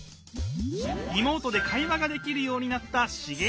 リモートで会話ができるようになったシゲおばあちゃん。